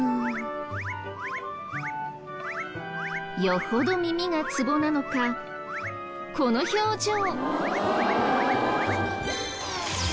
よほど耳がツボなのかこの表情。